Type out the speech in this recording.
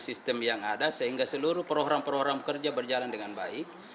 sistem yang ada sehingga seluruh program program kerja berjalan dengan baik